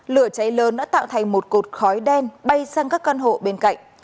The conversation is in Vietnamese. lửa cháy lớn đã tạo thành một cột khói đen bay sang các căn hộ bên cạnh